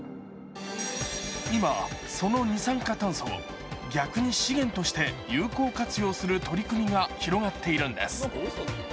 今、その二酸化炭素を逆に資源として有効活用する取り組みが広がっているんです。